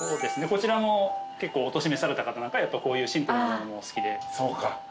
こちらも結構お年召された方なんかやっぱこういうシンプルなのもお好きで。